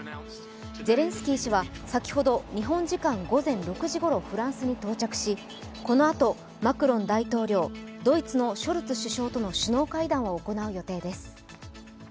ゼレンスキー氏は先ほど日本時間午前６時ごろフランスに到着しこのあとマクロン大統領、ドイツのショルツ首相との首脳会談を行う予定です。